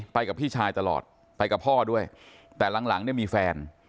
ไปกับพี่ชายตลอดไปกับพ่อด้วยแต่หลังหลังเนี่ยมีแฟน